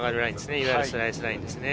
いわゆるスライスラインですね。